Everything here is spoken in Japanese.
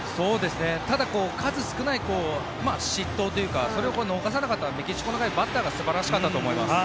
ただ数少ない失投というかそれを逃さなかったメキシコのバッターが素晴らしかったと思います。